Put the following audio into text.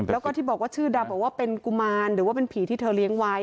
แล้วก็ที่บอกว่าชื่อดำบอกว่าเป็นกุมารหรือว่าเป็นผีที่เธอเลี้ยงไว้